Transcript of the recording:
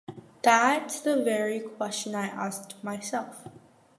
That's the very question I asked myself.